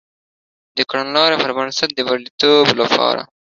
د کړنلاري پر بنسټ د بریالیتوب لپاره